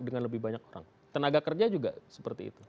dengan lebih banyak orang tenaga kerja juga seperti itu